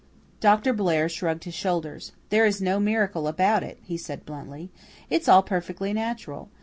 Dr. Blair shrugged his shoulders. "There is no miracle about it," he said bluntly. "It's all perfectly natural.